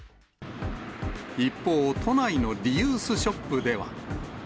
一方、都内のリユースショップでは。